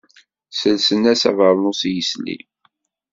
Sselsen-as abernus i yisli.